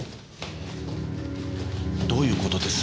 どういうことです？